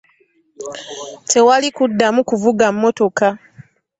Tewali kuddamu kuvuga mmotoka.